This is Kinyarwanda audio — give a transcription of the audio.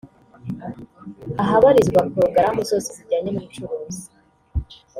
ahabarizwa porogaramu zose zijyanye n’ubucuruzi